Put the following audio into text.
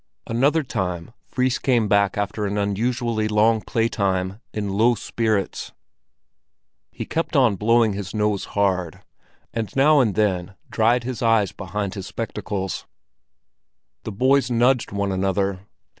Another time Fris came back after an unusually long playtime in low spirits. He kept on blowing his nose hard, and now and then dried his eyes behind his spectacles. The boys nudged one another.